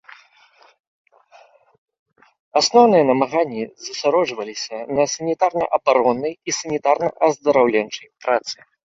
Асноўныя намаганні засяроджваліся на санітарна-абароннай і санітарна-аздараўленчай працы.